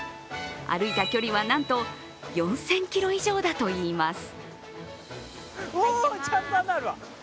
歩いた距離はなんと４０００ｋｍ以上だといいます。